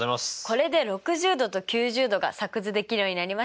これで６０°と９０°が作図できるようになりましたね！